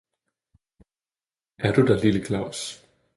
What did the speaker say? Er du der lille Claus?